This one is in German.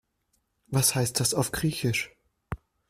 Was heißt das auf Griechisch?